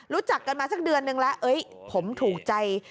รู้จักกันมาสักเดือนนึงแล้วผมถูกใจ